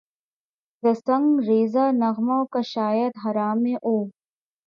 ز سنگ ریزہ نغمہ کشاید خرامِ او